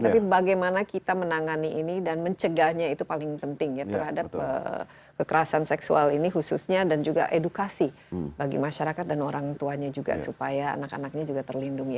tapi bagaimana kita menangani ini dan mencegahnya itu paling penting ya terhadap kekerasan seksual ini khususnya dan juga edukasi bagi masyarakat dan orang tuanya juga supaya anak anaknya juga terlindungi